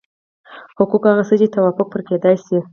حقوق هغه څه دي چې توافق پرې کېدای شي.